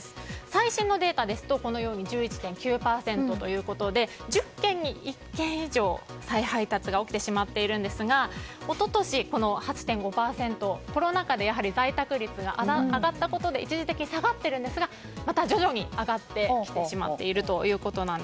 最新のデータですと１１．９％ということで１０軒に１軒以上再配達が起きてしまっているんですが一昨年、８．５％とコロナ禍で在宅率が上がったことで一時的に下がってるんですが徐々に上がってきてしまっていると。